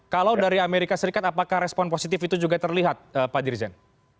kalau dari amerika serikat apakah respon positif itu juga terlihat pak dirjen